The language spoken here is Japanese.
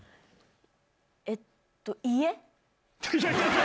えっと、家？